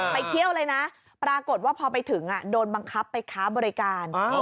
ไปเที่ยวเลยนะปรากฏว่าพอไปถึงโดนบังคับไปค้าบริการ